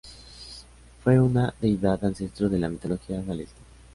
Fue una deidad ancestro de la mitología galesa.